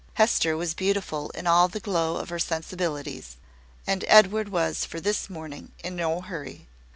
Hester was beautiful in all the glow of her sensibilities, and Edward was for this morning in no hurry.